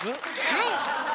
はい！